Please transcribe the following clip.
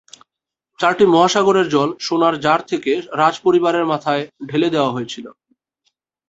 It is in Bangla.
চারটি মহাসাগরের জল সোনার জার থেকে রাজপরিবারের মাথায় ঢেলে দেওয়া হয়েছিল।